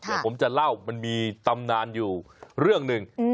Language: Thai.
เดี๋ยวผมจะเล่ามันมีตำนานอยู่เรื่องหนึ่ง